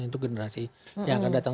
untuk generasi yang akan datang